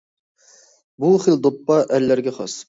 بۇ خىل دوپپا ئەرلەرگە خاس.